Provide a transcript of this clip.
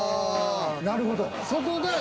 なるほど。